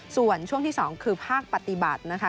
ส่วนช่วงที่๒คือภาคปฏิบัตินะคะ